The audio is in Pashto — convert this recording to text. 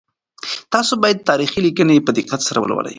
تاسو باید تاریخي لیکنې په دقت سره ولولئ.